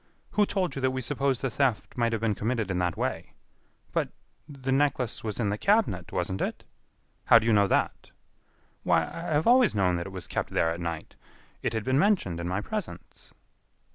"Who told you that we supposed the theft might have been committed in that way?" "But.... the necklace was in the cabinet, wasn't it?" "How do you know that?" "Why, I have always known that it was kept there at night. It had been mentioned in my presence."